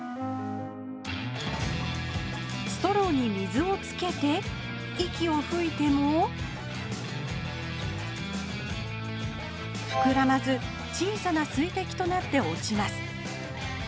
ストローに水をつけて息をふいてもふくらまず小さな水滴となって落ちます